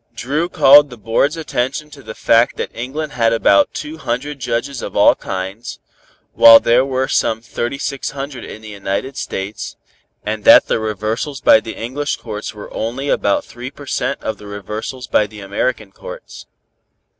Dru called the Board's attention to the fact that England had about two hundred judges of all kinds, while there were some thirty six hundred in the United States, and that the reversals by the English Courts were only about three per cent. of the reversals by the American Courts.